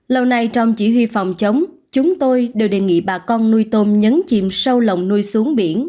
lâu nay trong chỉ huy phòng chống chúng tôi đều đề nghị bà con nuôi tôm nhấn chìm sâu lồng nuôi xuống biển